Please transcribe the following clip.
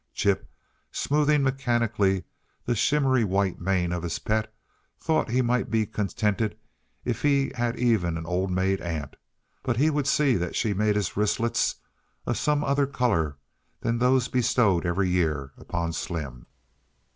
Chip, smoothing mechanically the shimmery, white mane of his pet, thought he might be contented if he had even an old maid aunt but he would see that she made his wristlets of some other color than those bestowed every year upon Slim.